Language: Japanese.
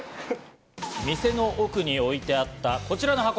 店の奥に置いてあったこちらの箱。